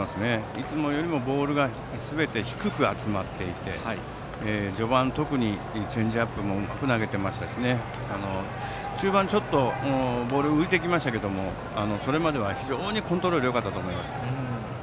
いつもよりボールが低く集まっていて序盤はチェンジアップもうまく投げていましたし中盤、ちょっとボールが浮いてきましたがそれまで非常にコントロールがよかったと思います。